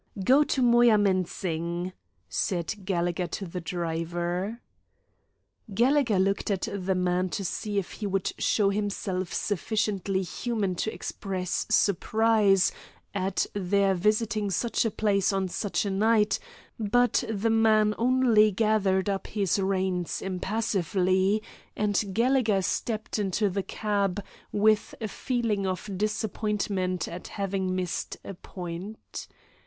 "Go to Moyamensing," said Gallegher to the driver. Gallegher looked at the man to see if he would show himself sufficiently human to express surprise at their visiting such a place on such a night, but the man only gathered up his reins impassively, and Gallegher stepped into the cab, with a feeling of disappointment at having missed a point.